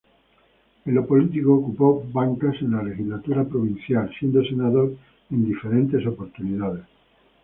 En lo político, ocupó bancas en la legislatura provincial siendo senador en diferentes oportunidades.